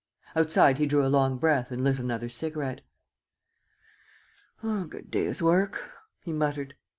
Outside he drew a long breath and lit another cigarette: "A good day's work," he muttered.